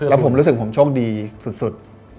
แล้วผมรู้สึกผมโชคดีสุด